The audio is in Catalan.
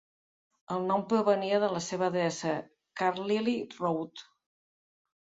El nom provenia de la seva adreça, Carlyle Road.